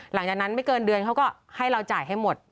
หลังจากนั้นไม่เกินเดือนเขาก็ให้เราจ่ายให้หมด